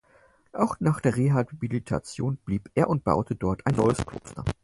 Auch nach der Rehabilitation blieb er und baute dort ein neues Kloster.